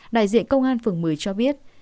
đại diện công an phường một mươi cho biết